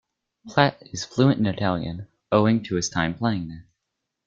Platt is fluent in Italian owing to his time playing there.